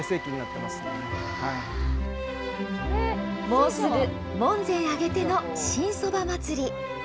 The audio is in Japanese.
もうすぐ門前挙げての新そば祭り。